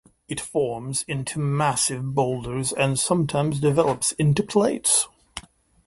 It forms into massive boulders and sometimes develops into plates.